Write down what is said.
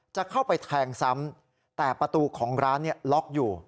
จะเข้าไปแทงซ้ำแต่ประตูของร้านล็อกอยู่